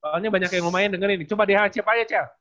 soalnya banyak yang mau main dengerin coba di highlight siapa aja cel